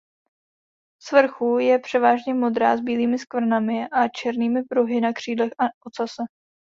Svrchu je převážně modrá s bílými skvrnami a černými pruhy na křídlech a ocase.